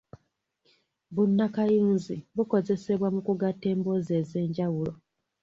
Bunnakayunzi bukozesebwa mu kugatta emboozi ez’enjawulo.